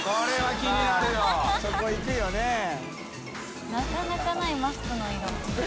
複腺蹌蕁なかなかないマスクの色。